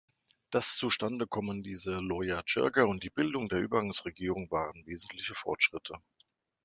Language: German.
Das Zustandekommen dieser Loya Jirga und die Bildung der Übergangsregierung waren wesentliche Fortschritte.